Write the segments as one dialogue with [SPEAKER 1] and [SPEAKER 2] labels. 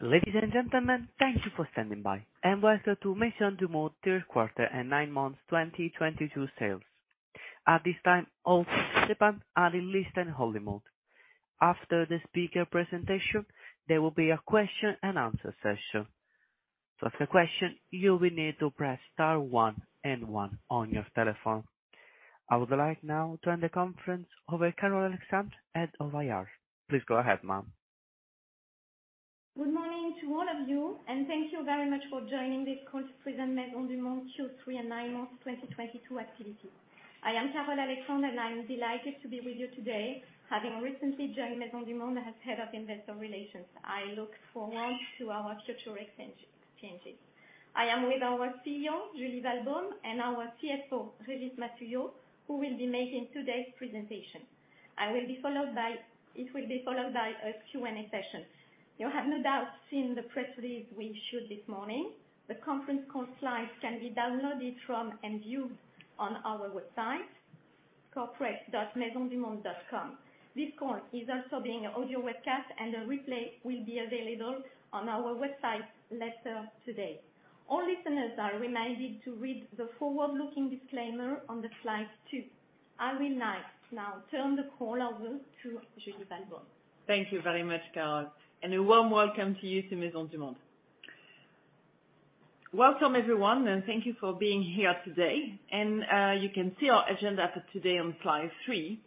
[SPEAKER 1] Ladies and gentlemen, thank you for standing by. Welcome to Maisons du Monde third quarter and nine months 2022 sales. At this time, all are in listen-only mode. After the speaker presentation, there will be a question and answer session. To ask a question, you will need to press star one and one on your telephone. I would like now to hand the conference over to Carole Alexandre, Head of IR. Please go ahead, ma'am.
[SPEAKER 2] Good morning to all of you, and thank you very much for joining this call to present Maisons du Monde Q3 and nine months 2022 activity. I am Carole Alexandre, and I'm delighted to be with you today, having recently joined Maisons du Monde as Head of Investor Relations. I look forward to our future exchanges. I am with our CEO, Julie Walbaum, and our CFO, Régis Massuyeau, who will be making today's presentation. It will be followed by a Q&A session. You have no doubt seen the press release we issued this morning. The conference call slides can be downloaded from our website and viewed on our website, corporate.maisonsdumonde.com. This call is also being audio webcast, and a replay will be available on our website later today. All listeners are reminded to read the forward-looking disclaimer on slide two. I will now turn the call over to Julie Walbaum.
[SPEAKER 3] Thank you very much, Carole. A warm welcome to you to Maisons du Monde. Welcome, everyone, and thank you for being here today. You can see our agenda for today on slide three.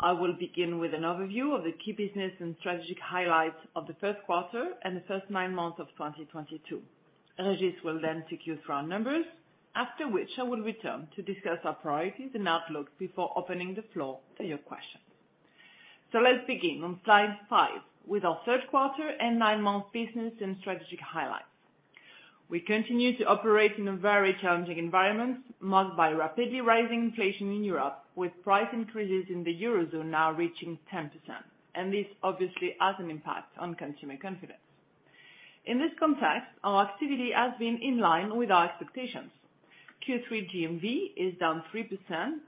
[SPEAKER 3] I will begin with an overview of the key business and strategic highlights of the first quarter and the first nine months of 2022. Régis will then take you through our numbers, after which I will return to discuss our priorities and outlook before opening the floor for your questions. Let's begin on slide five with our third quarter and nine-month business and strategic highlights. We continue to operate in a very challenging environment marked by rapidly rising inflation in Europe, with price increases in the Eurozone now reaching 10%. This obviously has an impact on consumer confidence. In this context, our activity has been in line with our expectations. Q3 GMV is down 3%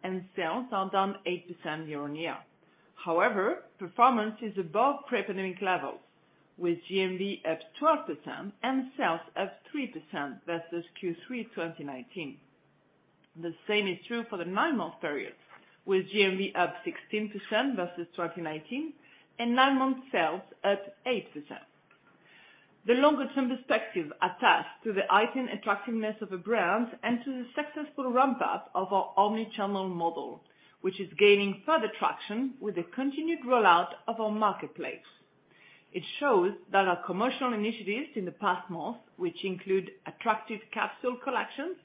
[SPEAKER 3] and sales are down 8% year-on-year. However, performance is above pre-pandemic levels, with GMV up 12% and sales up 3% versus Q3 2019. The same is true for the nine-month period, with GMV up 16% versus 2019 and nine-month sales up 8%. The longer term perspective attached to the heightened attractiveness of the brands and to the successful ramp-up of our omni-channel model, which is gaining further traction with the continued rollout of our marketplace. It shows that our commercial initiatives in the past months, which include attractive capsule collections,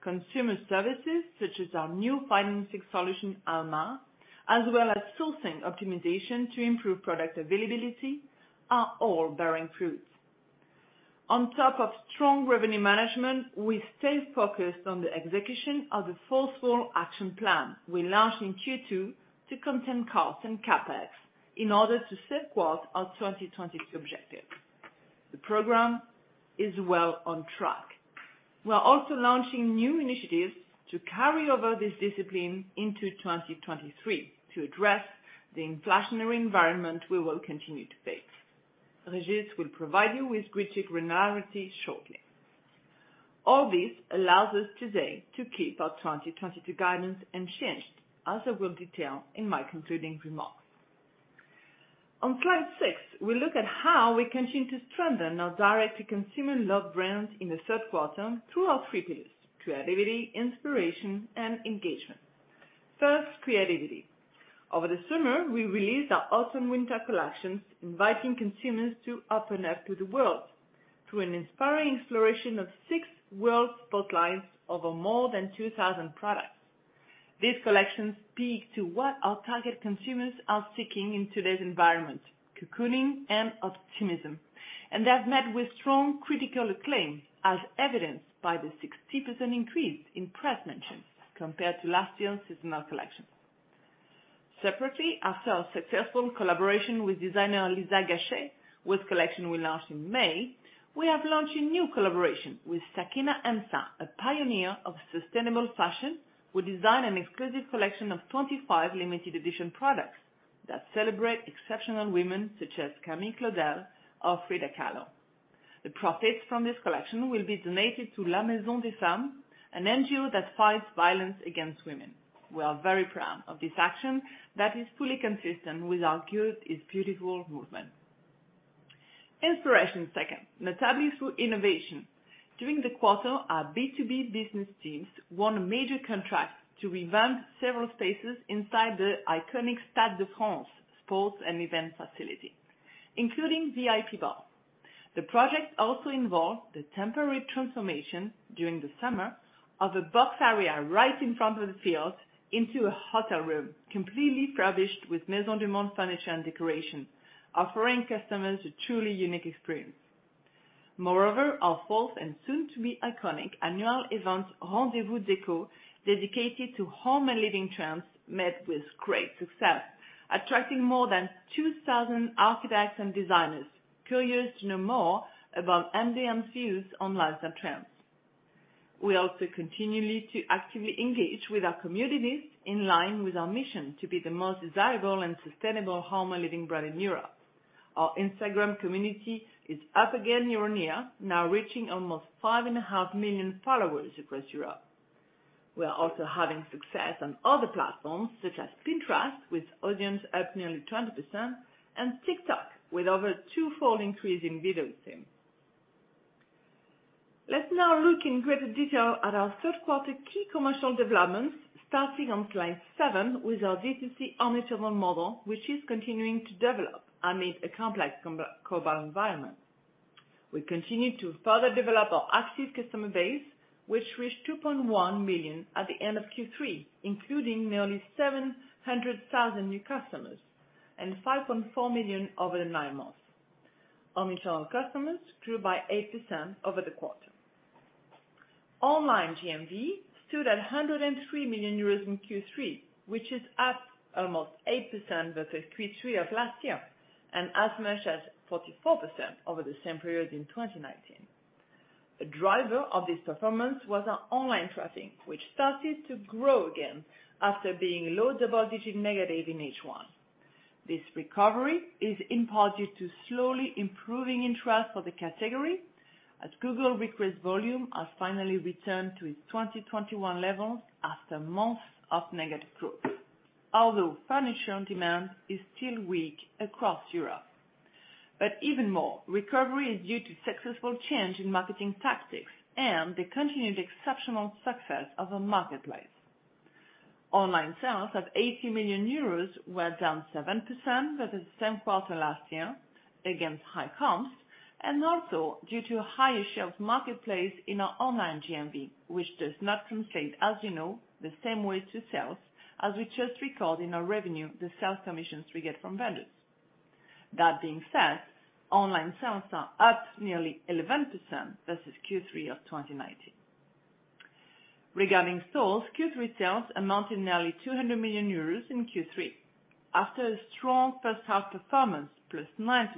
[SPEAKER 3] consumer services such as our new financing solution, Alma, as well as sourcing optimization to improve product availability, are all bearing fruit. On top of strong revenue management, we stay focused on the execution of the forceful action plan we launched in Q2 to contain costs and CapEx in order to safeguard our 2022 objectives. The program is well on track. We are also launching new initiatives to carry over this discipline into 2023 to address the inflationary environment we will continue to face. Régis will provide you with greater granularity shortly. All this allows us today to keep our 2022 guidance unchanged, as I will detail in my concluding remarks. On slide six, we look at how we continue to strengthen our direct-to-consumer love brand in the third quarter through our three pillars: creativity, inspiration, and engagement. First, creativity. Over the summer, we released our autumn/winter collections, inviting consumers to open up to the world through an inspiring exploration of six world spotlights over more than 2,000 products. These collections speak to what our target consumers are seeking in today's environment, cocooning and optimism, and they have met with strong critical acclaim, as evidenced by the 60% increase in press mentions compared to last year's seasonal collection. Separately, after our successful collaboration with designer Lisa Gachet, whose collection we launched in May, we have launched a new collaboration with Sakina M'sa, a pioneer of sustainable fashion, who designed an exclusive collection of 25 limited edition products that celebrate exceptional women such as Camille Claudel or Frida Kahlo. The profits from this collection will be donated to La Maison des Femmes, an NGO that fights violence against women. We are very proud of this action that is fully consistent with our Good is Beautiful movement. Inspiration second, notably through innovation. During the quarter, our B2B business teams won a major contract to revamp several spaces inside the iconic Stade de France sports and event facility, including VIP bar. The project also involved the temporary transformation during the summer of a box area right in front of the field into a hotel room, completely furnished with Maisons du Monde furniture and decoration, offering customers a truly unique experience. Moreover, our fourth and soon to be iconic annual event, Rendez-Vous Déco, dedicated to home and living trends, met with great success, attracting more than 2,000 architects and designers curious to know more about MDM views on lifestyle trends. We also continue to actively engage with our communities in line with our mission to be the most desirable and sustainable home and living brand in Europe. Our Instagram community is up again year-on-year, now reaching almost 5.5 million followers across Europe. We are also having success on other platforms such as Pinterest, with audience up nearly 20%, and TikTok with over twofold increase in video views. Let's now look in greater detail at our third quarter key commercial developments, starting on slide seven with our D2C omnichannel model, which is continuing to develop amid a complex global environment. We continue to further develop our active customer base, which reached 2.1 million at the end of Q3, including nearly 700,000 new customers and 5.4 million over the nine months. Omnichannel customers grew by 8% over the quarter. Online GMV stood at 103 million euros in Q3, which is up almost 8% versus Q3 of last year and as much as 44% over the same period in 2019. A driver of this performance was our online traffic, which started to grow again after being low double-digit negative in H1. This recovery is in part due to slowly improving interest for the category as Google search volume has finally returned to its 2021 levels after months of negative growth, although furniture demand is still weak across Europe. Even more, recovery is due to successful change in marketing tactics and the continued exceptional success of our marketplace. Online sales at 80 million euros were down 7% versus the same quarter last year against high comps and also due to a higher share of marketplace in our online GMV, which does not translate, as you know, the same way to sales as we just record in our revenue the sales commissions we get from vendors. That being said, online sales are up nearly 11% versus Q3 of 2019. Regarding stores, Q3 sales amounted nearly 200 million euros in Q3. After a strong first half performance, +9%,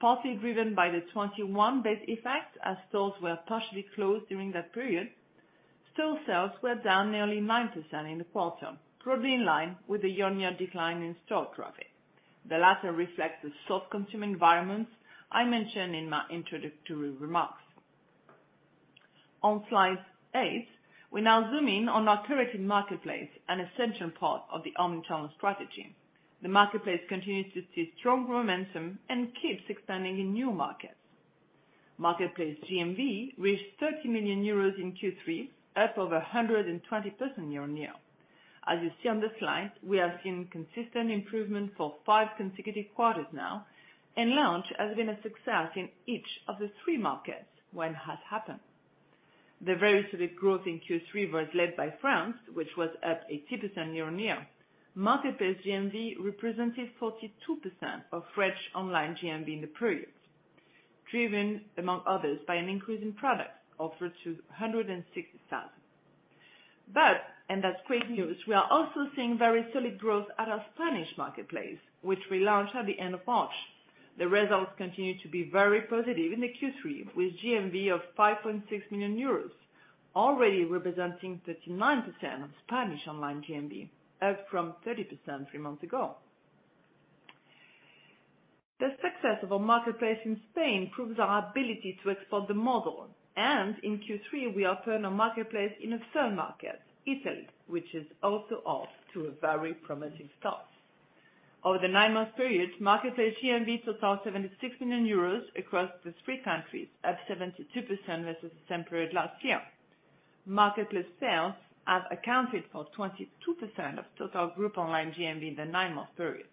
[SPEAKER 3] partly driven by the 2021 base effect as stores were partially closed during that period, store sales were down nearly 9% in the quarter, broadly in line with the year-on-year decline in store traffic. The latter reflects the soft consumer environments I mentioned in my introductory remarks. On slide eight, we now zoom in on our curated marketplace, an essential part of the omnichannel strategy. The marketplace continues to see strong momentum and keeps expanding in new markets. Marketplace GMV reached 30 million euros in Q3, up over 120% year-on-year. As you see on the slide, we have seen consistent improvement for five consecutive quarters now, and launch has been a success in each of the three markets when it has happened. The very solid growth in Q3 was led by France, which was up 80% year-on-year. Marketplace GMV represented 42% of French online GMV in the period, driven among others by an increase in products offered to 160,000. that's great news, we are also seeing very solid growth at our Spanish marketplace, which we launched at the end of March. The results continue to be very positive into Q3, with GMV of 5.6 million euros, already representing 39% of Spanish online GMV, up from 30% three months ago. The success of our marketplace in Spain proves our ability to export the model, and in Q3 we opened our marketplace in a third market, Italy, which is also off to a very promising start. Over the nine-month period, marketplace GMV totaled 76 million euros across the three countries at 72% versus the same period last year. Marketplace sales have accounted for 22% of total group online GMV in the nine-month period.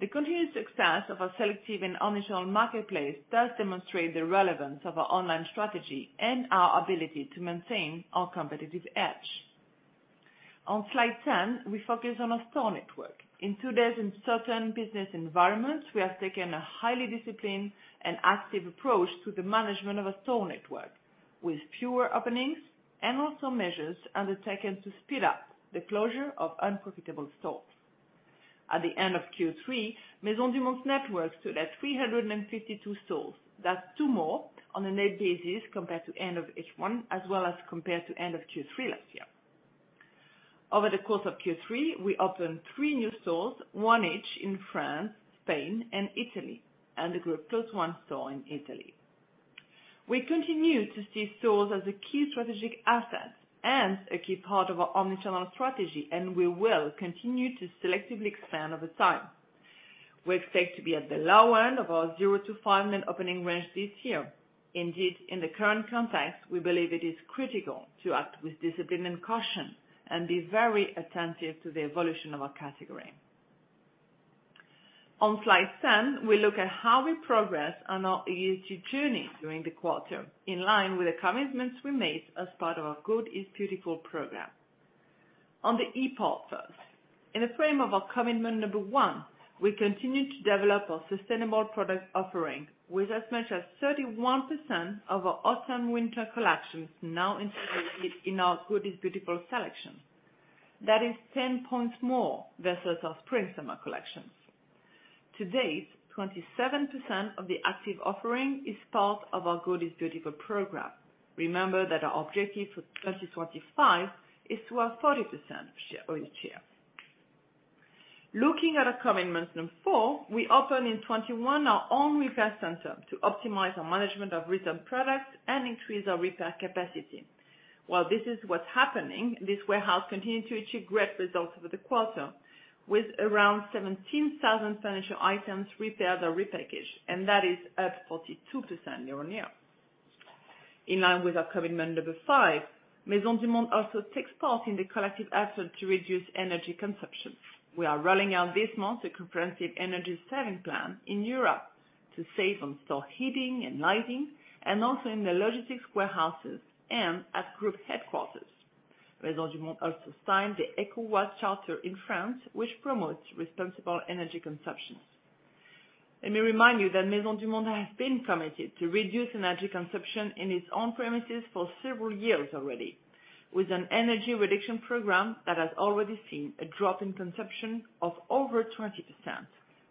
[SPEAKER 3] The continued success of our selective and omnichannel marketplace does demonstrate the relevance of our online strategy and our ability to maintain our competitive edge. On slide 10, we focus on our store network. In today's uncertain business environment, we have taken a highly disciplined and active approach to the management of our store network with fewer openings and also measures undertaken to speed up the closure of unprofitable stores. At the end of Q3, Maisons du Monde network stood at 352 stores. That's two more on a net basis compared to end of H1 as well as compared to end of Q3 last year. Over the course of Q3, we opened three new stores, one each in France, Spain and Italy, and the group closed one store in Italy. We continue to see stores as a key strategic asset and a key part of our omnichannel strategy, and we will continue to selectively expand over time. We expect to be at the low end of our 0-5 net opening range this year. Indeed, in the current context, we believe it is critical to act with discipline and caution and be very attentive to the evolution of our category. On slide 10, we look at how we progress on our ESG journey during the quarter, in line with the commitments we made as part of our Good is Beautiful program. On the E part first. In the framework of our commitment number one, we continue to develop our sustainable product offering with as much as 31% of our autumn/winter collections now included in our Good is Beautiful selection. That is 10 points more versus our spring/summer collections. To date, 27% of the active offering is part of our Good is Beautiful program. Remember that our objective for 2025 is to have 40% each year. Looking at our commitment number four, we opened in 2021 our own repair center to optimize our management of returned products and increase our repair capacity. While this is what's happening, this warehouse continued to achieve great results over the quarter, with around 17,000 furniture items repaired or repackaged, and that is up 42% year-on-year. In line with our commitment number five, Maisons du Monde also takes part in the collective effort to reduce energy consumption. We are rolling out this month a comprehensive energy saving plan in Europe to save on store heating and lighting, and also in the logistics warehouses and at group headquarters. Maisons du Monde also signed the EcoWatt Charter in France, which promotes responsible energy consumption. Let me remind you that Maisons du Monde has been committed to reduce energy consumption in its own premises for several years already, with an energy reduction program that has already seen a drop in consumption of over 20%,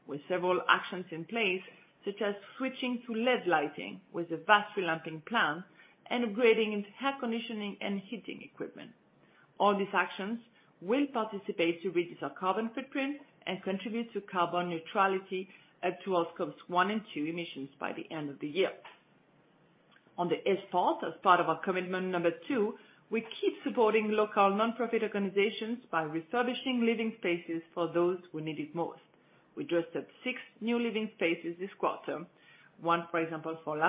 [SPEAKER 3] with several actions in place, such as switching to LED lighting with a vast relamping plan and upgrading air conditioning and heating equipment. All these actions will participate to reduce our carbon footprint and contribute to carbon neutrality at scopes one and two emissions by the end of the year. On the S part, as part of our commitment number two, we keep supporting local nonprofit organizations by refurbishing living spaces for those who need it most. We dressed up 6 new living spaces this quarter. One, for example, as part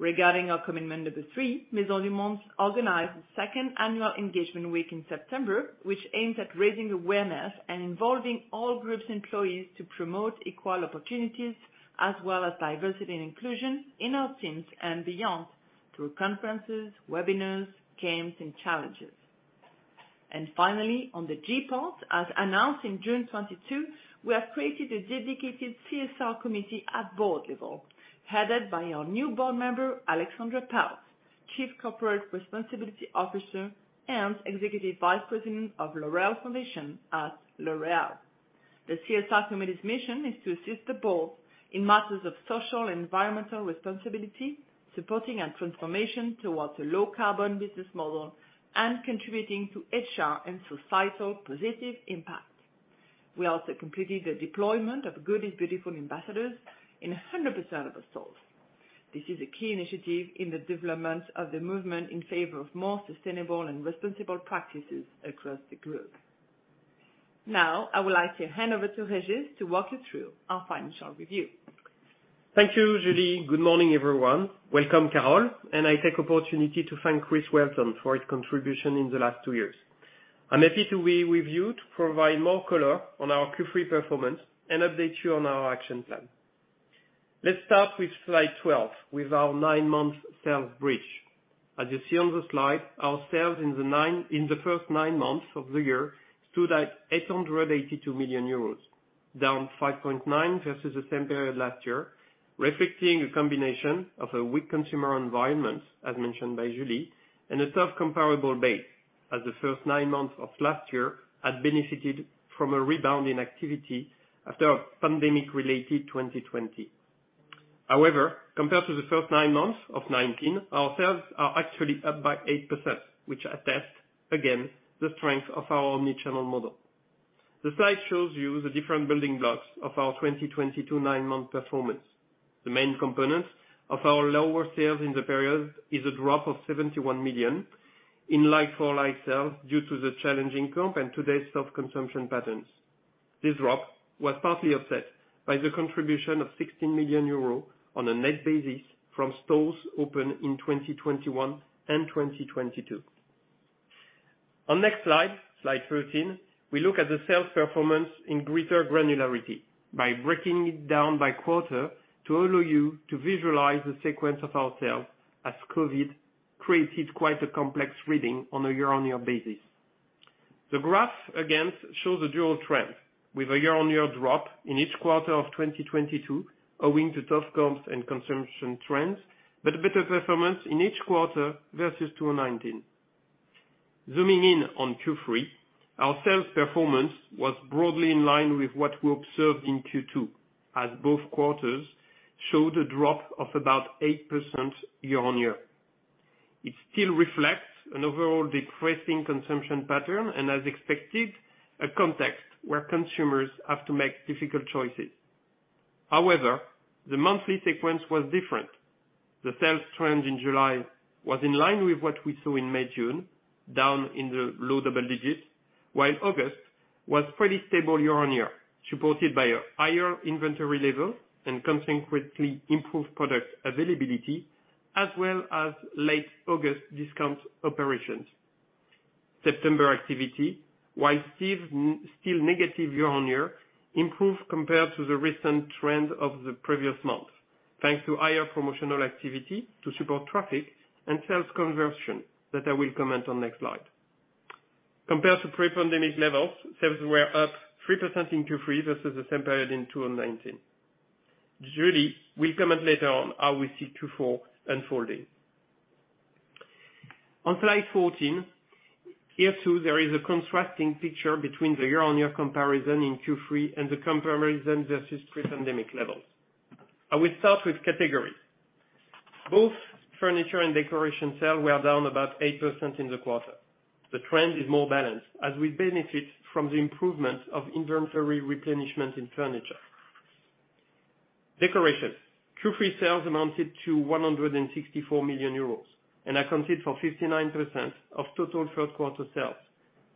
[SPEAKER 3] of our commitment two, we Maisons du Monde organized the second annual engagement week in September, which aimed at raising awareness and involving all group's employees to promote equal opportunities as well as diversity and inclusion in our teams and beyond through conferences, webinars, games, and challenges. Finally, on the G part, as announced in June 2022, we have created a dedicated CSR committee at board level, headed by our new board member, Alexandra Palt, Chief Corporate Responsibility Officer and Executive Vice President of L'Oréal Foundation at L'Oréal. The CSR committee's mission is to assist the board in matters of social and environmental responsibility, supporting a transformation towards a low carbon business model, and contributing to HR and societal positive impact. We also completed the deployment of Good is Beautiful ambassadors in 100% of the stores. This is a key initiative in the development of the movement in favor of more sustainable and responsible practices across the group. Now, I would like to hand over to Régis Massuyeau to walk you through our financial review.
[SPEAKER 4] Thank you, Julie. Good morning, everyone. Welcome, Carole. I take opportunity to thank Christopher Welton for his contribution in the last two years. I'm happy to be with you to provide more color on our Q3 performance and update you on our action plan. Let's start with slide 12, with our nine-month sales bridge. As you see on the slide, our sales in the first nine months of the year stood at 882 million euros, down 5.9% versus the same period last year, reflecting a combination of a weak consumer environment, as mentioned by Julie, and a tough comparable base, as the first nine months of last year had benefited from a rebound in activity after a pandemic-related 2020. However, compared to the first nine months of 2019, our sales are actually up by 8%, which attest, again, the strength of our omni-channel model. The slide shows you the different building blocks of our 2022 nine-month performance. The main components of our lower sales in the period is a drop of 71 million in like-for-like sales due to the challenging comp and today's soft consumption patterns. This drop was partly offset by the contribution of 16 million euros on a net basis from stores open in 2021 and 2022. On next slide 13, we look at the sales performance in greater granularity by breaking it down by quarter to allow you to visualize the sequence of our sales as COVID created quite a complex reading on a year-on-year basis. The graph, again, shows a dual trend with a year-on-year drop in each quarter of 2022 owing to tough comps and consumption trends, but better performance in each quarter versus 2019. Zooming in on Q3, our sales performance was broadly in line with what we observed in Q2, as both quarters showed a drop of about 8% year-on-year. It still reflects an overall decreasing consumption pattern and, as expected, a context where consumers have to make difficult choices. However, the monthly sequence was different. The sales trend in July was in line with what we saw in May/June, down in the low double digits, while August was pretty stable year-on-year, supported by a higher inventory level and consequently improved product availability, as well as late August discount operations. September activity, while still negative year-on-year, improved compared to the recent trend of the previous month, thanks to higher promotional activity to support traffic and sales conversion that I will comment on next slide. Compared to pre-pandemic levels, sales were up 3% in Q3 versus the same period in 2019. Julie will comment later on how we see Q4 unfolding. On slide 14, here too, there is a contrasting picture between the year-on-year comparison in Q3 and the comparison versus pre-pandemic levels. I will start with category. Both furniture and decoration sales were down about 8% in the quarter. The trend is more balanced as we benefit from the improvements of inventory replenishment in furniture. Decorations. Q3 sales amounted to 164 million euros, and accounted for 59% of total third quarter sales.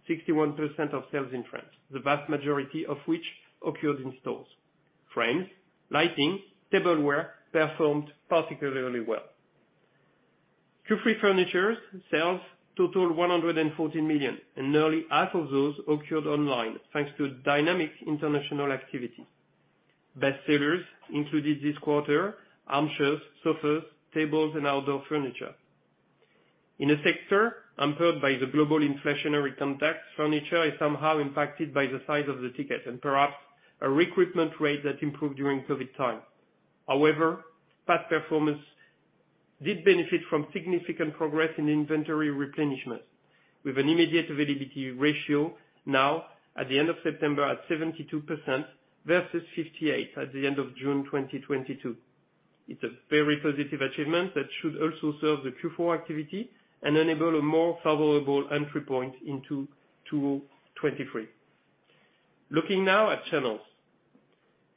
[SPEAKER 4] 61% of sales in France, the vast majority of which occurred in stores. Frames, lighting, tableware performed particularly well. Q3 furniture sales total 114 million, and nearly half of those occurred online, thanks to dynamic international activity. Best sellers included this quarter, armchairs, sofas, tables and outdoor furniture. In a sector hampered by the global inflationary context, furniture is somewhat impacted by the size of the ticket and perhaps a recruitment rate that improved during COVID time. However, third performance did benefit from significant progress in inventory replenishment with an immediate availability ratio now at the end of September at 72% versus 58% at the end of June 2022. It's a very positive achievement that should also serve the Q4 activity and enable a more favorable entry point into 2023. Looking now at channels.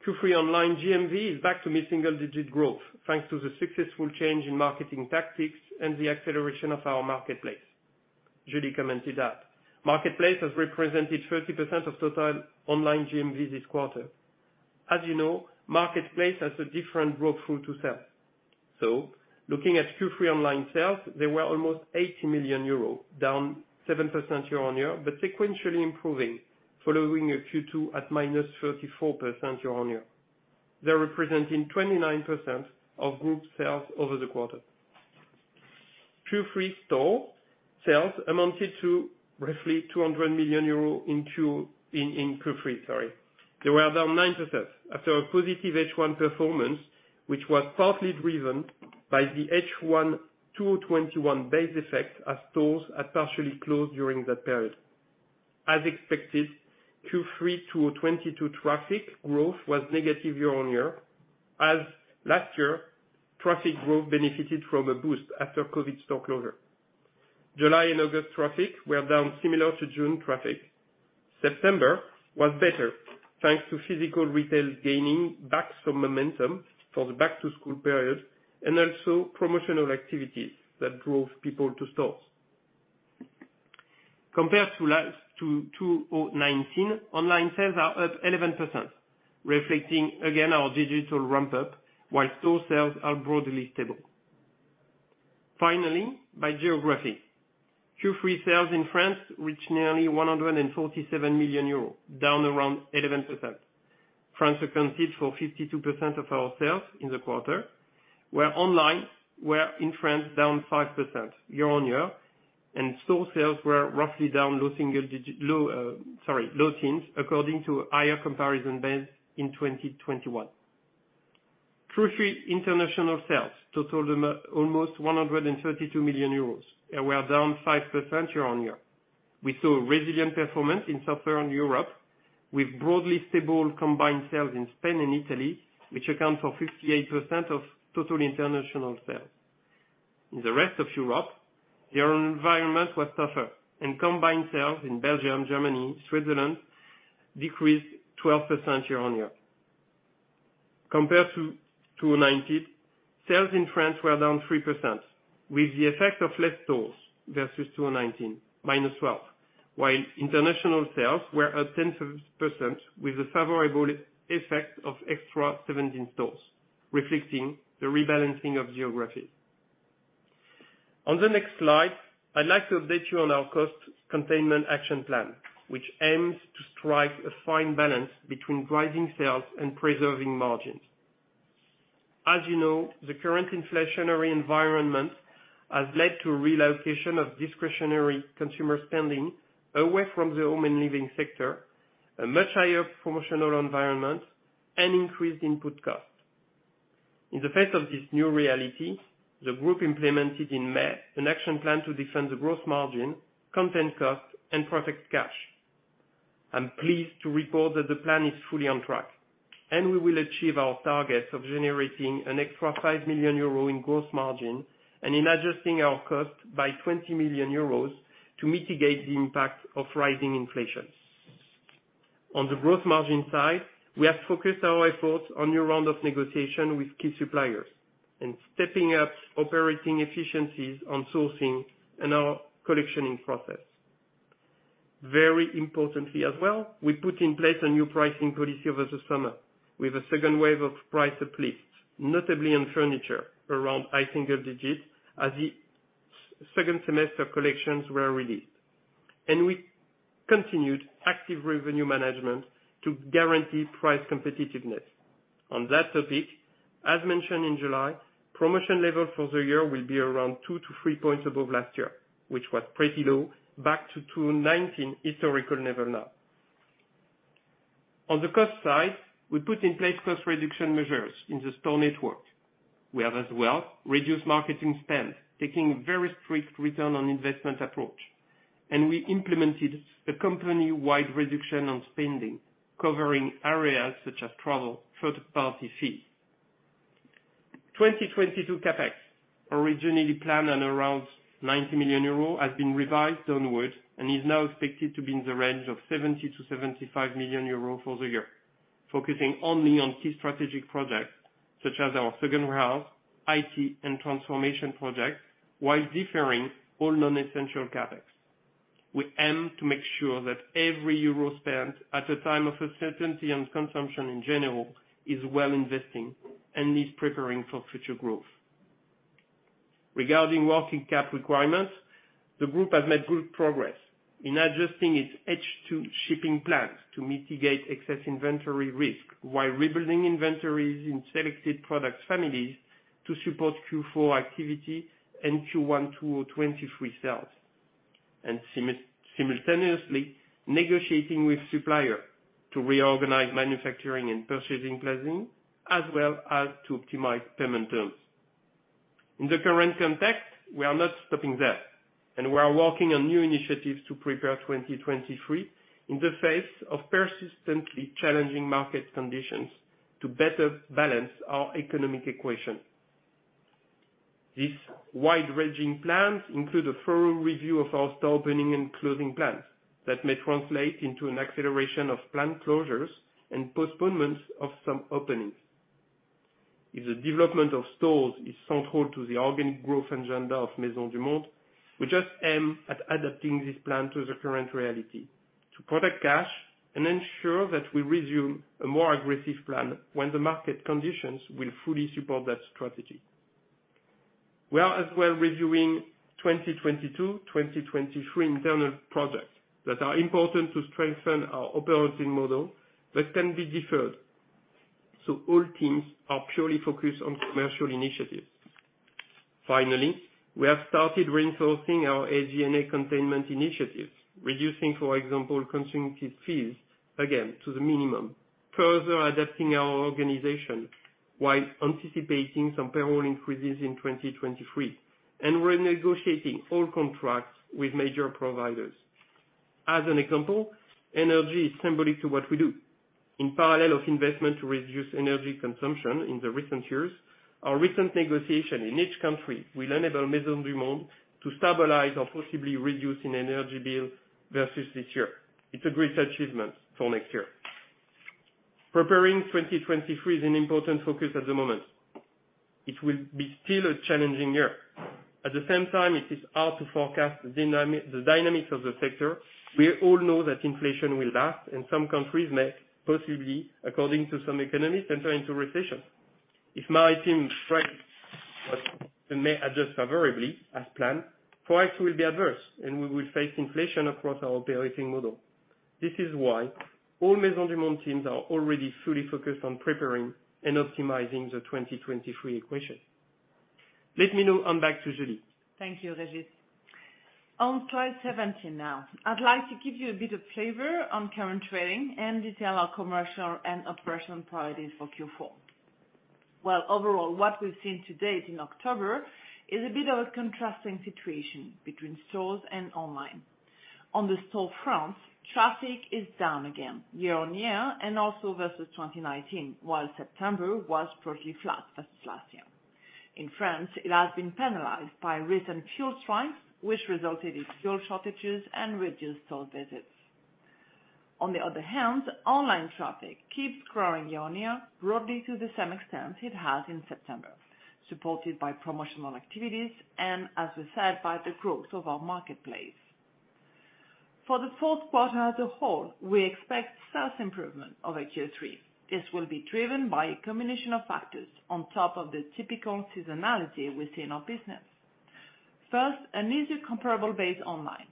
[SPEAKER 4] Q3 online GMV is back to mid-single digit growth, thanks to the successful change in marketing tactics and the acceleration of our marketplace. Julie commented that. Marketplace has represented 30% of total online GMV this quarter. As you know, marketplace has a different growth through to sales. Looking at Q3 online sales, they were almost 80 million euros, down 7% year-on-year, but sequentially improving following a Q2 at -34% year-on-year. They're representing 29% of group sales over the quarter. Q3 store sales amounted to roughly 200 million euros in Q3, sorry. They were down 9% after a positive H1 performance, which was partly driven by the H1 2021 base effect as stores had partially closed during that period. As expected, Q3 2022 traffic growth was negative year-on-year, as last year traffic growth benefited from a boost after COVID store closure. July and August traffic were down similar to June traffic. September was better, thanks to physical retail gaining back some momentum for the back-to-school period and also promotional activities that drove people to stores. Compared to 2019, online sales are up 11%, reflecting again our digital ramp-up, while store sales are broadly stable. Finally, by geography. Q3 sales in France reached nearly 147 million euros, down around 11%. France accounted for 52% of our sales in the quarter, where online were in France down 5% year-on-year, and store sales were roughly down low teens, according to higher comparison base in 2021. Q3 international sales totaled almost 132 million euros, and we are down 5% year-on-year. We saw resilient performance in Southern Europe with broadly stable combined sales in Spain and Italy, which account for 58% of total international sales. In the rest of Europe, their environment was tougher, and combined sales in Belgium, Germany, Switzerland decreased 12% year-on-year. Compared to 2019, sales in France were down 3%, with the effect of less stores versus 2019, -12%, while international sales were up 10% with the favorable effect of extra 17 stores, reflecting the rebalancing of geography. On the next slide, I'd like to update you on our cost containment action plan, which aims to strike a fine balance between driving sales and preserving margins. As you know, the current inflationary environment has led to relocation of discretionary consumer spending away from the home and living sector, a much higher promotional environment and increased input cost. In the face of this new reality, the group implemented in May an action plan to defend the gross margin, cost containment and protect cash. I'm pleased to report that the plan is fully on track, and we will achieve our targets of generating an extra 5 million euro in gross margin and in adjusting our cost by 20 million euros to mitigate the impact of rising inflation. On the gross margin side, we have focused our efforts on new round of negotiation with key suppliers and stepping up operating efficiencies on sourcing and our collection in process. Very importantly as well, we put in place a new pricing policy over the summer with a second wave of price uplifts, notably in furniture, around high single digits as the second semester collections were released. We continued active revenue management to guarantee price competitiveness. On that topic, as mentioned in July, promotion level for the year will be around 2-3 points above last year, which was pretty low back to 2019 historical level now. On the cost side, we put in place cost reduction measures in the store network. We have as well reduced marketing spend, taking very strict return on investment approach, and we implemented a company-wide reduction on spending, covering areas such as travel, third-party fees. 2022 CapEx, originally planned on around 90 million euro, has been revised downward and is now expected to be in the range of 70 million-75 million euro for the year. Focusing only on key strategic projects such as our second warehouse, IT, and transformation projects, while deferring all non-essential CapEx. We aim to make sure that every euro spent at a time of uncertainty and consumption in general is well invested and is preparing for future growth. Regarding working capital requirements, the group has made good progress in adjusting its H2 shipping plans to mitigate excess inventory risk while rebuilding inventories in selected product families to support Q4 activity and Q1 2023 sales. Simultaneously negotiating with supplier to reorganize manufacturing and purchasing planning, as well as to optimize payment terms. In the current context, we are not stopping there, and we are working on new initiatives to prepare 2023 in the face of persistently challenging market conditions to better balance our economic equation. These wide-ranging plans include a thorough review of our store opening and closing plans that may translate into an acceleration of planned closures and postponements of some openings. If the development of stores is central to the organic growth agenda of Maisons du Monde, we just aim at adapting this plan to the current reality, to protect cash and ensure that we resume a more aggressive plan when the market conditions will fully support that strategy. We are as well reviewing 2022-2023 internal projects that are important to strengthen our operating model that can be deferred, so all teams are purely focused on commercial initiatives. Finally, we have started reinforcing our SG&A containment initiatives, reducing, for example, continuity fees again to the minimum, further adapting our organization while anticipating some payroll increases in 2023. We're negotiating all contracts with major providers. As an example, energy is symbolic to what we do. In parallel of investment to reduce energy consumption in the recent years, our recent negotiation in each country will enable Maisons du Monde to stabilize or possibly reduce in energy bill versus this year. It's a great achievement for next year. Preparing 2023 is an important focus at the moment. It will be still a challenging year. At the same time, it is hard to forecast the dynamic, the dynamics of the sector. We all know that inflation will last and some countries may possibly, according to some economies, enter into recession. If my team is right, they may adjust favorably as planned, price will be adverse, and we will face inflation across our operating model. This is why all Maisons du Monde teams are already fully focused on preparing and optimizing the 2023 equation. Let me now hand back to Julie.
[SPEAKER 3] Thank you, Régis. On slide 17 now, I'd like to give you a bit of flavor on current trading and detail our commercial and operational priorities for Q4. Well, overall, what we've seen to date in October is a bit of a contrasting situation between stores and online. On the store front, traffic is down again year-on-year and also versus 2019, while September was pretty flat versus last year. In France, it has been penalized by recent fuel strikes, which resulted in fuel shortages and reduced store visits. On the other hand, online traffic keeps growing year-on-year, broadly to the same extent it has in September, supported by promotional activities and, as we said, by the growth of our marketplace. For the fourth quarter as a whole, we expect sales improvement over Q3. This will be driven by a combination of factors on top of the typical seasonality we see in our business. First, an easier comparable base online.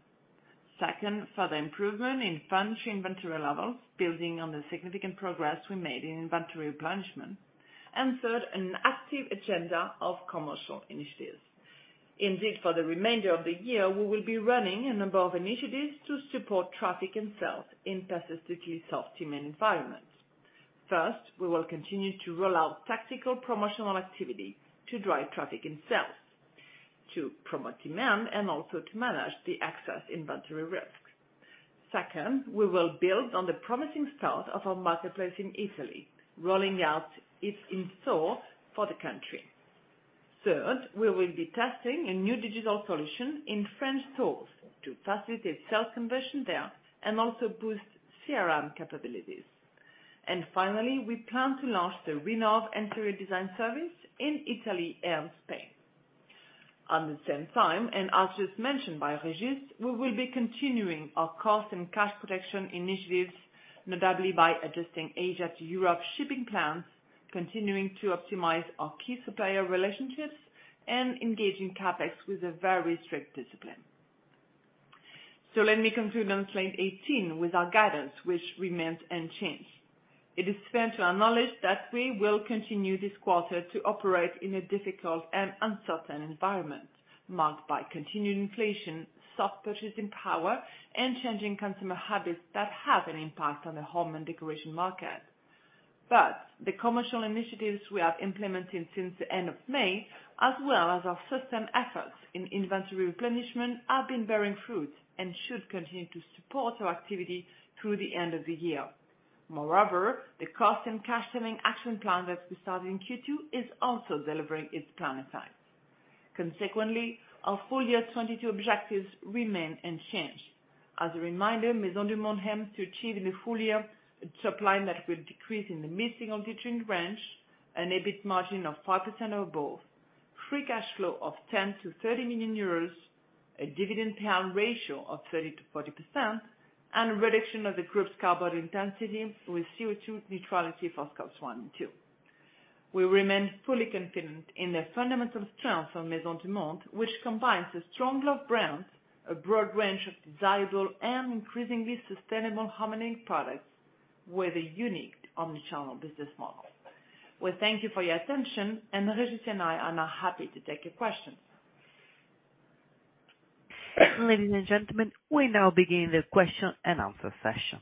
[SPEAKER 3] Second, further improvement in furniture inventory levels, building on the significant progress we made in inventory replenishment. Third, an active agenda of commercial initiatives. Indeed, for the remainder of the year, we will be running a number of initiatives to support traffic and sales in persistently soft demand environments. First, we will continue to roll out tactical promotional activity to drive traffic and sales, to promote demand and also to manage the excess inventory risk. Second, we will build on the promising start of our marketplace in Italy, rolling out its in-store for the country. Third, we will be testing a new digital solution in French stores to facilitate sales conversion there and also boost CRM capabilities. Finally, we plan to launch the Rhinov interior design service in Italy and Spain. At the same time, and as just mentioned by Régis, we will be continuing our cost and cash protection initiatives, notably by adjusting Asia to Europe shipping plans, continuing to optimize our key supplier relationships, and engaging CapEx with a very strict discipline. Let me conclude on slide 18 with our guidance, which remains unchanged. It is fair to acknowledge that we will continue this quarter to operate in a difficult and uncertain environment marked by continued inflation, soft purchasing power, and changing consumer habits that have an impact on the home and decoration market. The commercial initiatives we have implemented since the end of May, as well as our system efforts in inventory replenishment, have been bearing fruit and should continue to support our activity through the end of the year. Moreover, the cost and cash turning action plan that we started in Q2 is also delivering its plan aside. Consequently, our full year 2022 objectives remain unchanged. As a reminder, Maisons du Monde aims to achieve in the full year a top line that will decrease in the mid-single-digit range, an EBIT margin of 5% or above, free cash flow of 10 million-30 million euros, a dividend payout ratio of 30%-40%, and a reduction of the group's carbon intensity with CO2 neutrality for scopes one and two. We remain fully confident in the fundamental strength of Maisons du Monde, which combines the strong love brands, a broad range of desirable and increasingly sustainable home and (inaudble) products with a unique omni-channel business model. We thank you for your attention, and Regis and I are now happy to take your questions.
[SPEAKER 1] Ladies and gentlemen, we now begin the question and answer session.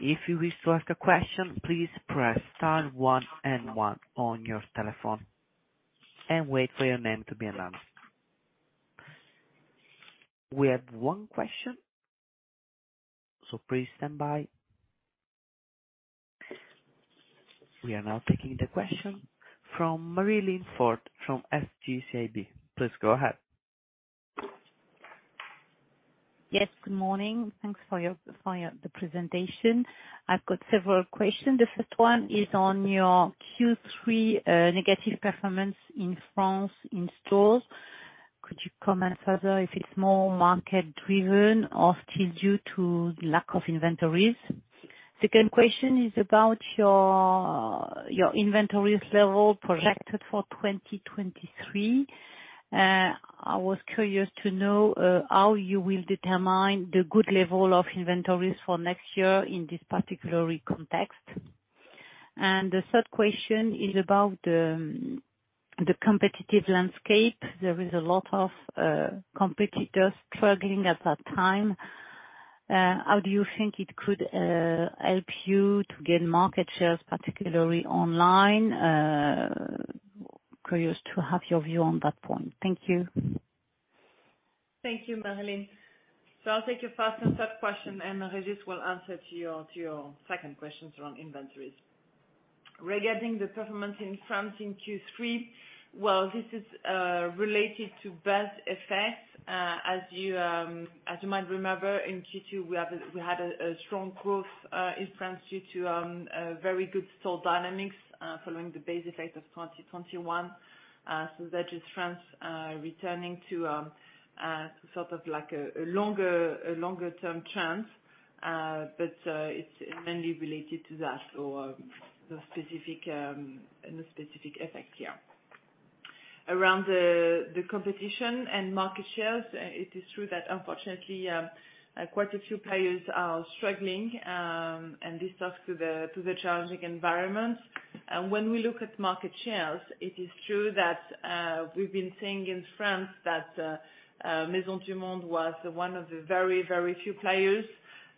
[SPEAKER 1] If you wish to ask a question, please press star one and one on your telephone and wait for your name to be announced. We have one question, so please stand by. We are now taking the question from Marilyn Ford from FGCAB. Please go ahead.
[SPEAKER 5] Yes. Good morning. Thanks for the presentation. I've got several questions. The first one is on your Q3 negative performance in France in stores. Could you comment further if it's more market driven or still due to the lack of inventories? Second question is about your inventories level projected for 2023. I was curious to know how you will determine the good level of inventories for next year in this particular context. The third question is about the competitive landscape. There is a lot of competitors struggling at that time. How do you think it could help you to gain market shares, particularly online? Curious to have your view on that point. Thank you.
[SPEAKER 3] Thank you, Marilyn. I'll take your first and third question, and Régis will answer to your second questions around inventories. Regarding the performance in France in Q3, this is related to base effects. As you might remember, in Q2, we had a strong growth in France due to a very good store dynamics following the base effect of 2021. That is France returning to sort of like a longer-term trend, but it's mainly related to that or the specific effect, yeah. Around the competition and market shares, it is true that unfortunately quite a few players are struggling, and this talks to the challenging environment. When we look at market shares, it is true that we've been seeing in France that Maisons du Monde was one of the very, very few players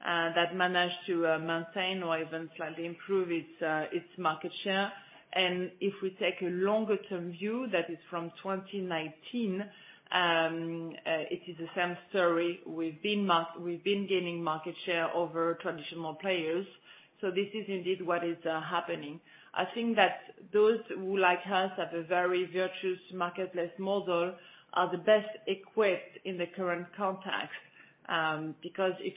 [SPEAKER 3] that managed to maintain or even slightly improve its market share. If we take a longer term view that is from 2019, it is the same story. We've been gaining market share over traditional players. This is indeed what is happening. I think that those who, like us, have a very virtuous marketplace model are the best equipped in the current context, because if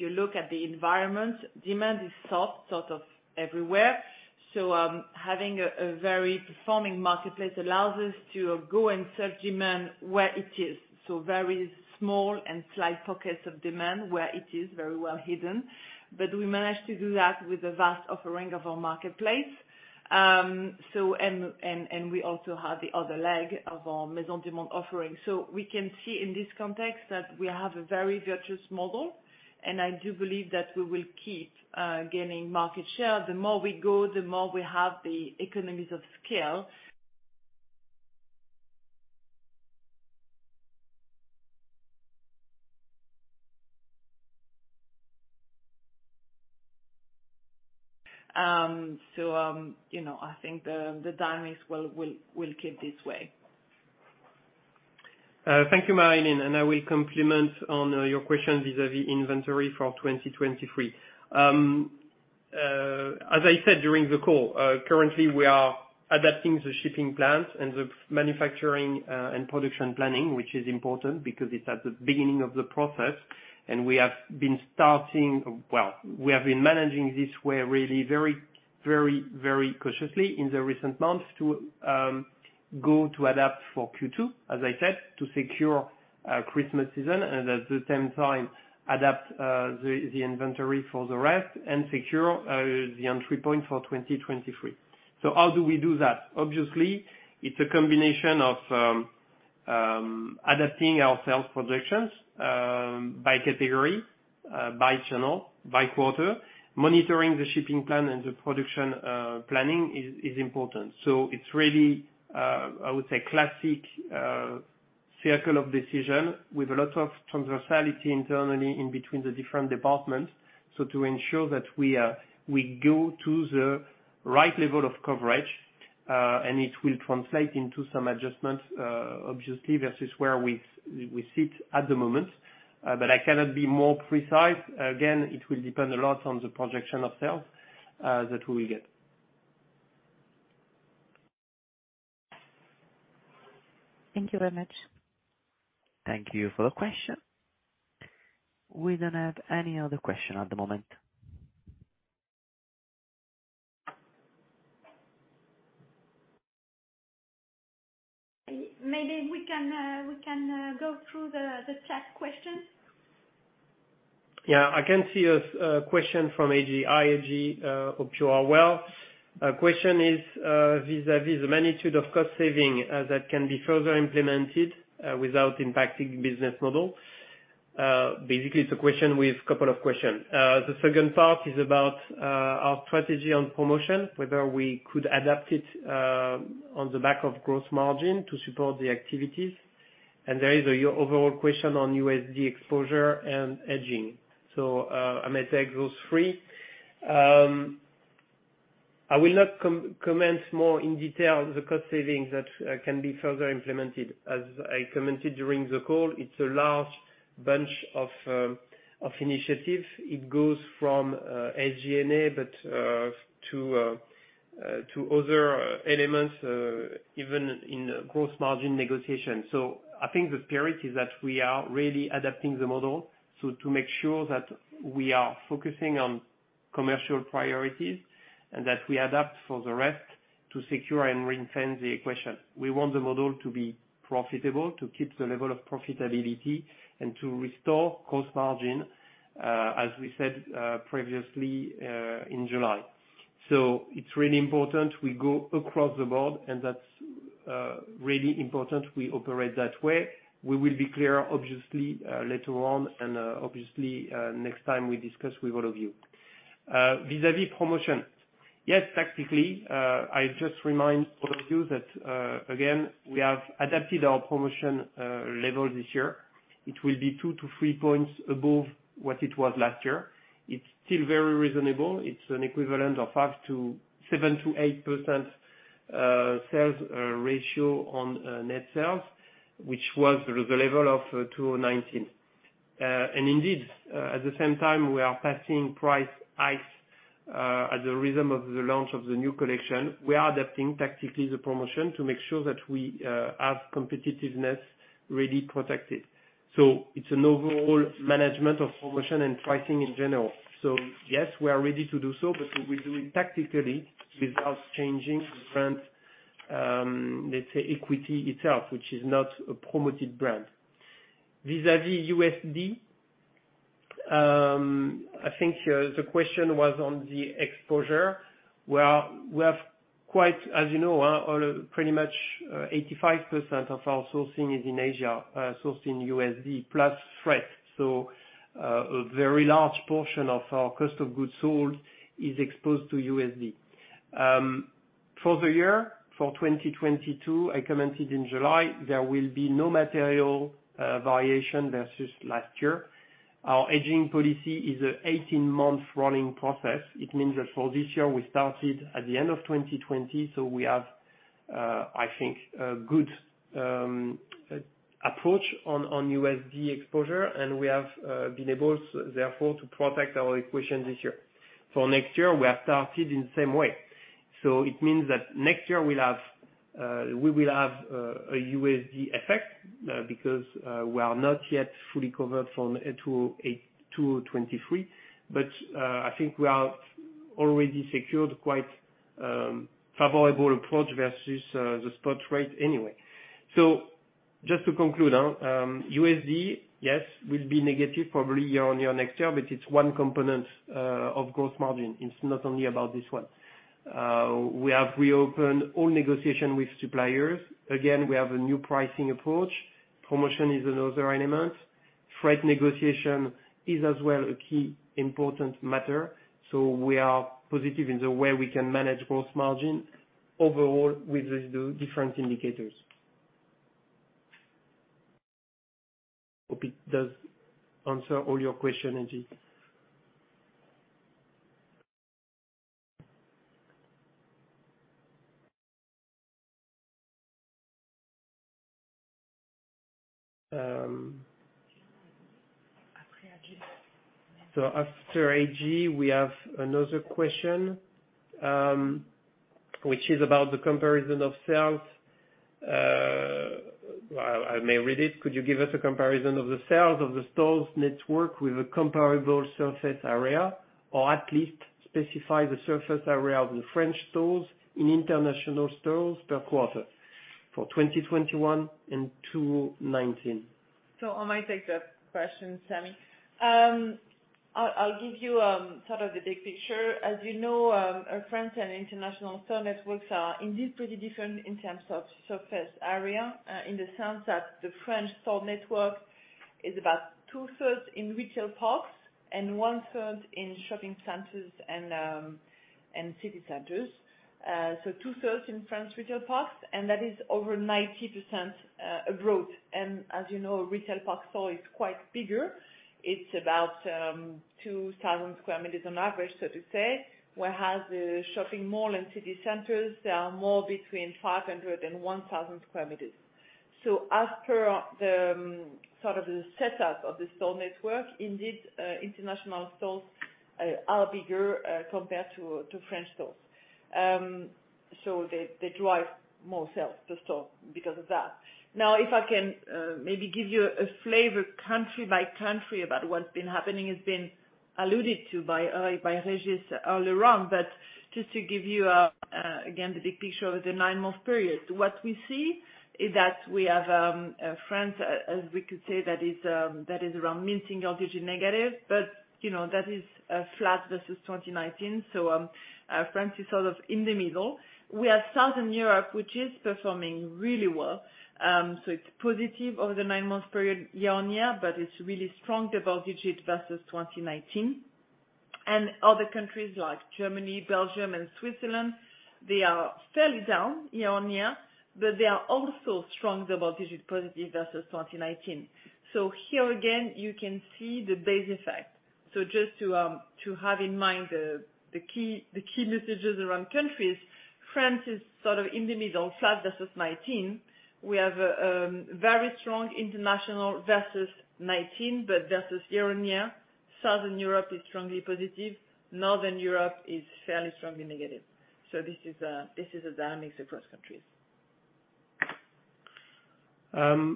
[SPEAKER 3] you look at the environment, demand is soft sort of everywhere. Having a very performing marketplace allows us to go and serve demand where it is, so very small and slight pockets of demand where it is very well hidden. We managed to do that with a vast offering of our marketplace. We also have the other leg of our Maisons du Monde offering. We can see in this context that we have a very virtuous model, and I do believe that we will keep gaining market share. The more we go, the more we have the economies of scale. You know, I think the dynamics will keep this way.
[SPEAKER 4] Thank you, Marilyn, and I will comment on your question vis-à-vis inventory for 2023. As I said during the call, currently we are adapting the shipping plans and the manufacturing and production planning, which is important because it's at the beginning of the process. We have been managing this way really very cautiously in the recent months to adapt for Q2, as I said, to secure Christmas season and at the same time adapt the inventory for the rest and secure the entry point for 2023. How do we do that? Obviously, it's a combination of adapting our sales projections by category by channel by quarter, monitoring the shipping plan and the production planning is important. It's really, I would say classic, circle of decision with a lot of transversality internally in between the different departments. To ensure that we go to the right level of coverage, and it will translate into some adjustments, obviously versus where we sit at the moment. I cannot be more precise. Again, it will depend a lot on the projection of sales that we will get.
[SPEAKER 5] Thank you very much.
[SPEAKER 1] Thank you for your question. We don't have any other question at the moment.
[SPEAKER 2] Maybe we can go through the chat questions.
[SPEAKER 4] Yeah. I can see a question from AG .AG Hope you are well. Question is, vis-à-vis the magnitude of cost savings that can be further implemented without impacting business model. Basically, it's a question with a couple of questions. The second part is about our strategy on promotion, whether we could adapt it on the back of gross margin to support the activities. There is a year-over-year question on USD exposure and hedging. I may take those three. I will not comment more in detail the cost savings that can be further implemented. As I commented during the call, it's a large bunch of initiatives. It goes from SG&A, but to other elements, even in gross margin negotiation. I think the spirit is that we are really adapting the model, so to make sure that we are focusing on commercial priorities and that we adapt for the rest to secure and reinvent the equation. We want the model to be profitable, to keep the level of profitability and to restore cost margin, as we said, previously, in July. It's really important we go across the board and that's really important we operate that way. We will be clear, obviously, later on and obviously next time we discuss with all of you. Vis-à-vis promotion. Yes, tactically, I just remind all of you that again we have adapted our promotion level this year. It will be 2-3 points above what it was last year. It's still very reasonable. It's an equivalent of up to 7%-8% sales ratio on net sales, which was the level of 2019. Indeed, at the same time, we are passing price hikes as a result of the launch of the new collection. We are adapting tactically the promotion to make sure that we have competitiveness really protected. It's an overall management of promotion and pricing in general. Yes, we are ready to do so, but we will do it tactically without changing the brand, let's say equity itself, which is not a promoted brand. Vis-à-vis USD, I think the question was on the exposure, where we have quite, as you know, all pretty much, 85% of our sourcing is in Asia, sourced in USD plus freight. A very large portion of our cost of goods sold is exposed to USD. For the year, for 2022, I commented in July there will be no material variation versus last year. Our hedging policy is a 18-month running process. It means that for this year, we started at the end of 2020, so we have I think a good approach on USD exposure, and we have been able therefore to protect our equation this year. For next year, we have started in the same way. It means that next year we will have a USD effect because we are not yet fully covered from 208 to 2023. I think we have already secured quite favorable approach versus the spot rate anyway. Just to conclude, USD, yes, will be negative probably year-on-year next year, but it's one component of gross margin. It's not only about this one. We have reopened all negotiations with suppliers. Again, we have a new pricing approach. Promotion is another element. Freight negotiation is as well a key important matter. We are positive in the way we can manage gross margin overall with the different indicators. Hope it does answer all your questions, AG. After AG, we have another question, which is about the comparison of sales. Well, I may read it. Could you give us a comparison of the sales of the stores network with a comparable surface area, or at least specify the surface area of the French stores in international stores per quarter for 2021 and 2019.
[SPEAKER 3] I might take that question, Sammy. I'll give you sort of the big picture. As you know, our French and international store networks are indeed pretty different in terms of surface area, in the sense that the French store network is about two-thirds in retail parks and one-third in shopping centers and city centers. Two-thirds in French retail parks, and that is over 90% growth. As you know, retail park stores are quite bigger. It's about 2,000 square meters on average, so to say. Whereas the shopping mall and city centers, they are more between 500 and 1,000 square meters. As per the sort of the setup of the store network, indeed, international stores are bigger compared to French stores. They drive more sales per store because of that. Now, if I can, maybe give you a flavor country by country about what's been happening. It's been alluded to by Régis earlier on. Just to give you, again, the big picture over the nine-month period. What we see is that we have France, as we could say, that is around mid-single digit negative. You know, that is flat versus 2019. France is sort of in the middle. We have Southern Europe, which is performing really well. It's positive over the nine-month period year-on-year, but it's really strong double digit versus 2019. Other countries like Germany, Belgium and Switzerland, they are fairly down year-on-year, but they are also strong double digit positive versus 2019. Here again, you can see the base effect. Just to have in mind the key messages around countries. France is sort of in the middle, flat versus 2019. We have very strong international versus 2019. Versus year-on-year, Southern Europe is strongly positive, Northern Europe is fairly strongly negative. This is the dynamics across countries.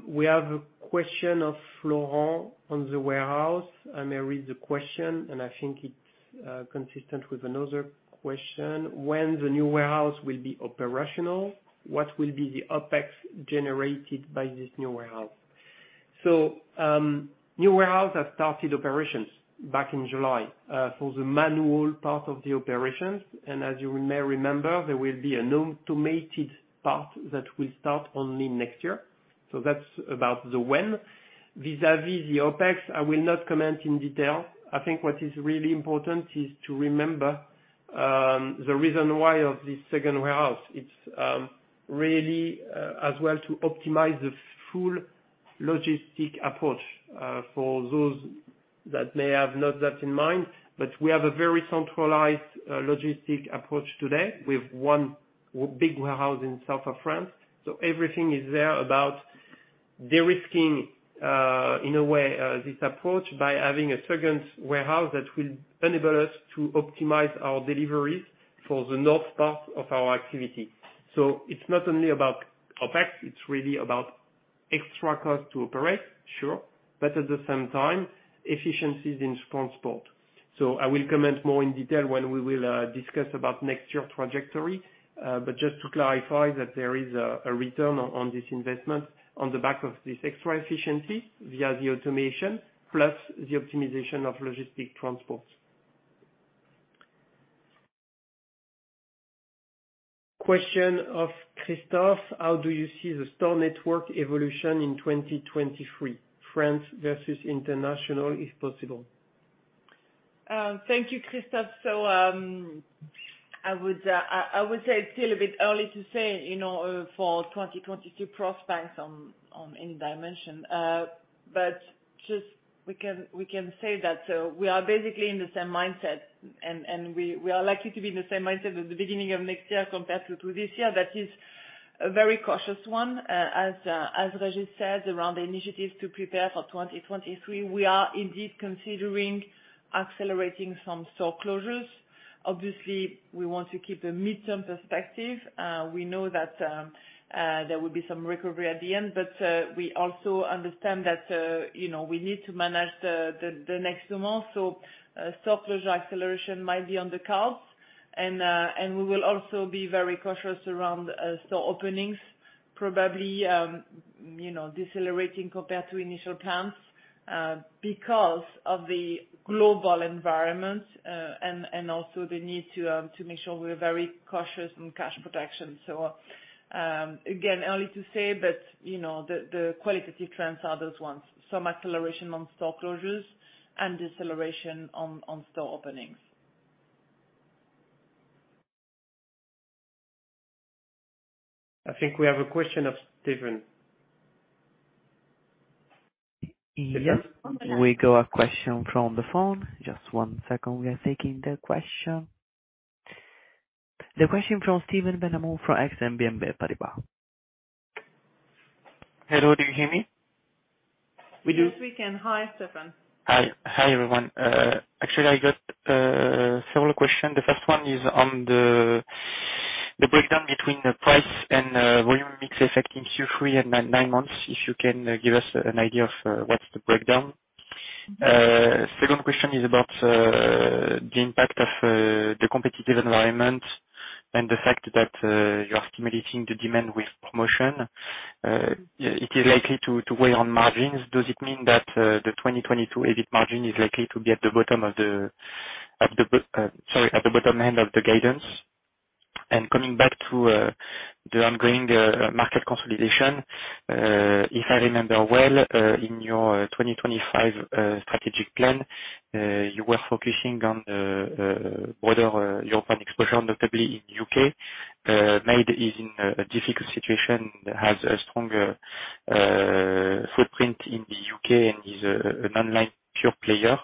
[SPEAKER 4] We have a question of Florent on the warehouse. I may read the question, and I think it's consistent with another question. When the new warehouse will be operational, what will be the OpEx generated by this new warehouse? New warehouse have started operations back in July for the manual part of the operations. As you may remember, there will be an automated part that will start only next year. That's about the when. Vis-à-vis the OpEx, I will not comment in detail. I think what is really important is to remember the reason why of this second warehouse. It's really as well to optimize the full logistic approach for those that may have not that in mind. We have a very centralized logistic approach today with one big warehouse in south of France. Everything is there about de-risking, in a way, this approach by having a second warehouse that will enable us to optimize our deliveries for the north part of our activity. It's not only about OpEx, it's really about extra cost to operate, sure. At the same time, efficiencies in transport. I will comment more in detail when we will discuss about next year trajectory. Just to clarify that there is a return on this investment on the back of this extra efficiency via the automation, plus the optimization of logistic transport.
[SPEAKER 1] Question of Christophe, how do you see the store network evolution in 2023, France versus international, if possible?
[SPEAKER 3] Thank you, Christophe. I would say it's still a bit early to say, you know, for 2022 prospects on any dimension. Just we can say that we are basically in the same mindset and we are likely to be in the same mindset at the beginning of next year compared to this year. That is a very cautious one. As Régis said, around the initiative to prepare for 2023, we are indeed considering accelerating some store closures. Obviously, we want to keep a midterm perspective. We know that there will be some recovery at the end, but we also understand that, you know, we need to manage the next two months. Store closure acceleration might be on the cards. We will also be very cautious around store openings. Probably, you know, decelerating compared to initial plans, because of the global environment, and also the need to make sure we're very cautious on cash protection. Again, early to say, but you know, the qualitative trends are those ones. Some acceleration on store closures and deceleration on store openings.
[SPEAKER 4] I think we have a question of Stephen.
[SPEAKER 1] Yes. We got a question from the phone. Just one second. We are taking the question. The question from Stephane Benhamou from Exane BNP Paribas.
[SPEAKER 6] Hello, do you hear me?
[SPEAKER 3] Yes, we can. Hi, Stephane.
[SPEAKER 6] Hi. Hi, everyone. Actually, I got several questions. The first one is on the breakdown between the price and volume mix effect in Q3 and nine months. If you can give us an idea of what's the breakdown. Second question is about the impact of the competitive environment and the fact that you're stimulating the demand with promotion. It is likely to weigh on margins. Does it mean that the 2022 EBIT margin is likely to be at the bottom end of the guidance? Coming back to the ongoing market consolidation, if I remember well, in your 2025 strategic plan, you were focusing on broader European exposure, notably in U.K. Made.com is in a difficult situation, has a stronger footprint in the U.K and is an online pure player.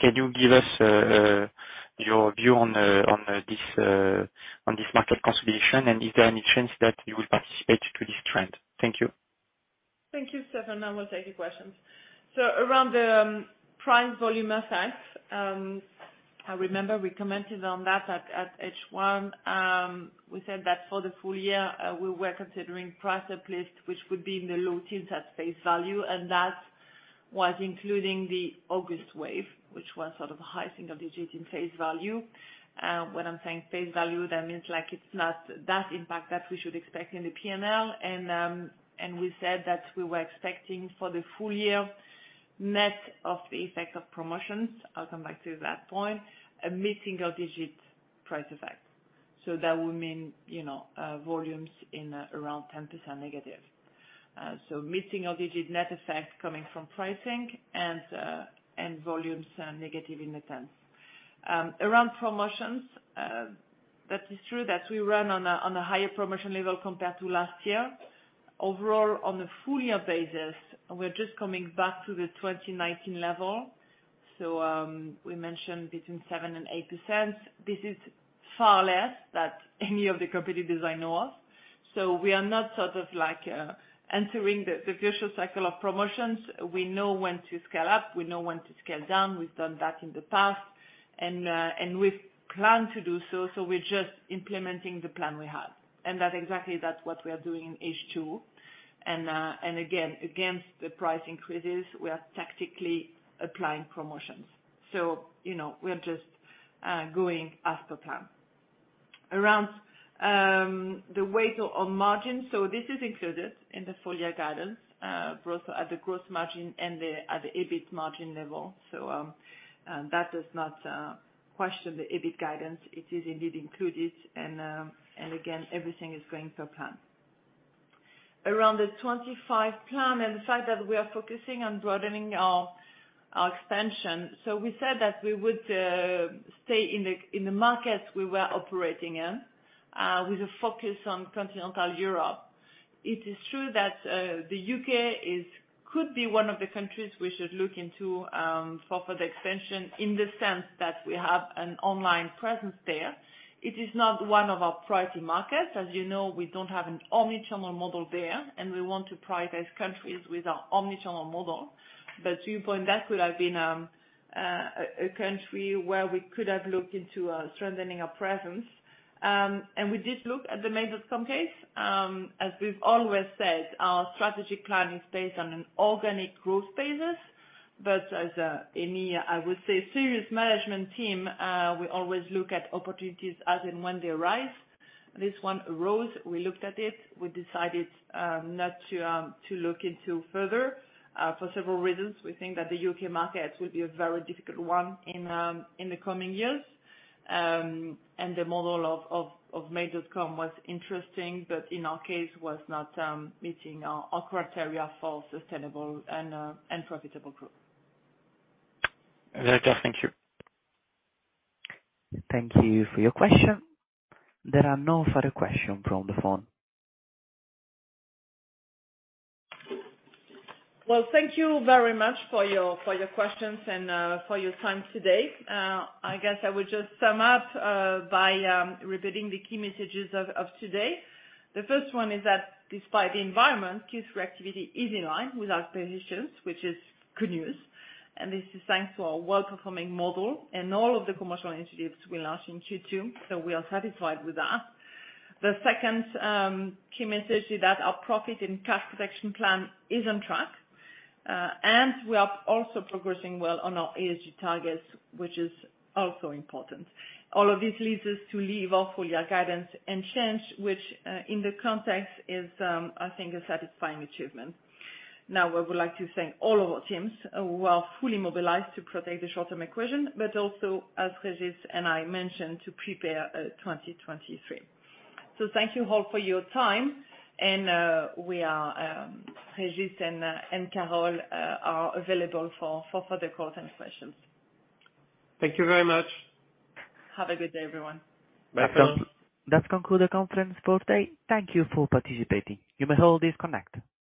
[SPEAKER 6] Can you give us your view on this market consolidation? Is there any chance that you will participate to this trend? Thank you.
[SPEAKER 3] Thank you, Stéphane. I will take your questions. Around the price volume effect, I remember we commented on that at H1. We said that for the full year, we were considering price uplift, which would be in the low teens at face value, and that was including the August wave, which was sort of high single digits in face value. When I'm saying face value, that means, like, it's not that impact that we should expect in the PNL. We said that we were expecting for the full year net of the effect of promotions, I'll come back to that point, a mid-single digit price effect. That would mean, you know, volumes in around 10% negative. Mid-single digit net effect coming from pricing and volumes are negative in the tens. Around promotions, that is true that we run on a higher promotion level compared to last year. Overall, on a full year basis, we're just coming back to the 2019 level. We mentioned between 7% and 8%. This is far less than any of the competitors I know of. We are not sort of like entering the virtual cycle of promotions. We know when to scale up, we know when to scale down. We've done that in the past and we've planned to do so. We're just implementing the plan we had. That's exactly what we are doing in H2. Again, against the price increases, we are tactically applying promotions. You know, we are just going as per plan. Around the weight on margin, this is included in the full year guidance, both at the gross margin and at the EBIT margin level. That does not question the EBIT guidance. It is indeed included. Again, everything is going to plan. Around the 25 plan and the fact that we are focusing on broadening our expansion. We said that we would stay in the markets we were operating in, with a focus on continental Europe. It is true that the U.K could be one of the countries we should look into for further expansion in the sense that we have an online presence there. It is not one of our priority markets. As you know, we don't have an omni-channel model there, and we want to prioritize countries with our omni-channel model. To your point, that could have been a country where we could have looked into strengthening our presence. We did look at the Made.com case. As we've always said, our strategic plan is based on an organic growth basis. As any, I would say, serious management team, we always look at opportunities as and when they arise. This one arose, we looked at it, we decided not to look into further for several reasons. We think that the U.K market will be a very difficult one in the coming years. The model of Made.com was interesting, but in our case was not meeting our criteria for sustainable and profitable growth.
[SPEAKER 6] Very clear. Thank you
[SPEAKER 1] Thank you for your question. There are no further questions from the phone.
[SPEAKER 3] Well, thank you very much for your questions and for your time today. I guess I would just sum up by repeating the key messages of today. The first one is that despite the environment, Q3 activity is in line with our predictions, which is good news. This is thanks to our well-performing model and all of the commercial initiatives we launched in Q2. We are satisfied with that. The second key message is that our profit and cash protection plan is on track. We are also progressing well on our ESG targets, which is also important. All of this leads us to leave our full year guidance unchanged, which in the context is, I think a satisfying achievement. Now, we would like to thank all of our teams who are fully mobilized to protect the short-term equation, but also, as Régis and I mentioned, to prepare 2023. Thank you all for your time. Régis and Carole are available for further questions.
[SPEAKER 4] Thank you very much.
[SPEAKER 3] Have a good day, everyone.
[SPEAKER 6] Bye.
[SPEAKER 1] That concludes the conference for today. Thank you for participating. You may all disconnect.